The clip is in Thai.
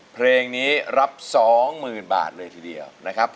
เพลงนี้รับ๒๐๐๐บาทเลยทีเดียวนะครับ